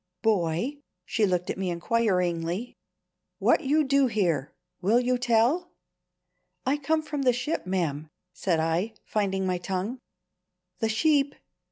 "Boy" she looked at me inquiringly "what you do here will you tell?" "I come from the ship, ma'am," said I, finding my tongue. "The sheep?